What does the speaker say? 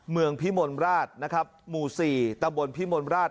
เมืองพิมลราชหมู่๔ตำบลพิมลราช